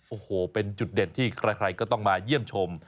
โอ้โหเป็นจุดเด่นที่ใครก็ต้องมาเยี่ยมชม